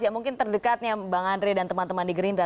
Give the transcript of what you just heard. mungkin terdekatnya bang andre dan teman teman di gerindra